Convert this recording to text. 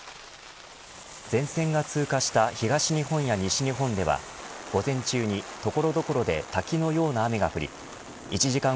前線が通過した東日本や西日本では午前中に所々で滝のような雨が降り１時間